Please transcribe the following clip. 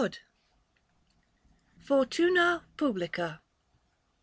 ID. APR. FORTUNA PUBLICA.